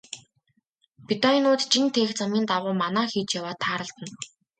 Бедоинууд жин тээх замын дагуу манаа хийж яваад тааралдана.